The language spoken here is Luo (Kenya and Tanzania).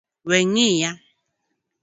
Weng’iya